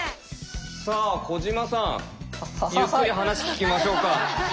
さあ小島さんゆっくり話聞きましょうか。ははい。